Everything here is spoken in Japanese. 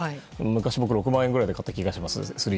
昔、僕は６万円ぐらいで買った気がします。